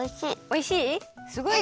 おいしい？